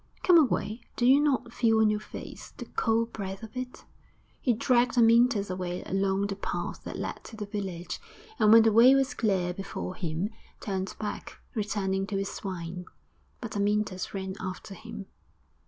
Come away! do you not feel on your face the cold breath of it?' He dragged Amyntas away along the path that led to the village, and when the way was clear before him, turned back, returning to his swine. But Amyntas ran after him.